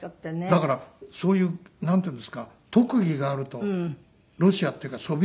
だからそういうなんていうんですか特技があるとロシアっていうかソビエトでしょ当時は。